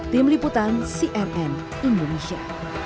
tim liputan crn indonesia